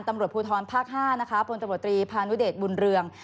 ตำรวจภูทรภาค๕นะคะพลตำรวจตรีพานุเดชบุญเรือง